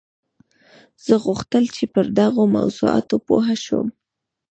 زه غوښتل چې پر دغو موضوعاتو پوه شم